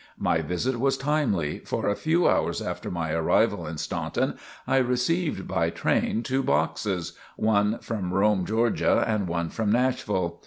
My visit was timely, for a few hours after my arrival in Staunton I received by train two boxes, one from Rome, Georgia, and one from Nashville.